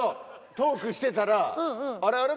トークしてたらあれあれ？